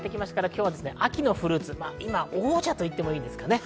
今日は秋のフルーツ、今、王者と言ってもいいですかね。